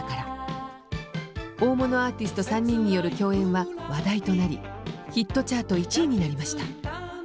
大物アーティスト３人による共演は話題となりヒットチャート１位になりました。